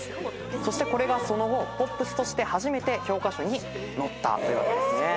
そしてこれがその後ポップスとして初めて教科書に載ったというわけですね。